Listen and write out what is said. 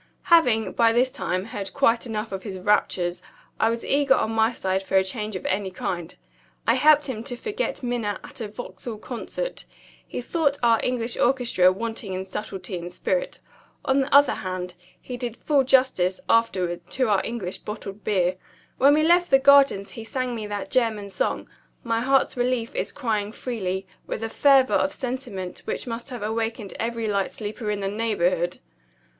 Having, by this time, heard quite enough of his raptures, I was eager on my side for a change of any kind. I helped him to forget Minna at a Vauxhall Concert. He thought our English orchestra wanting in subtlety and spirit. On the other hand, he did full justice, afterwards, to our English bottled beer. When we left the Gardens he sang me that German song, 'My heart's relief is crying freely,' with a fervor of sentiment which must have awakened every light sleeper in the neighborhood.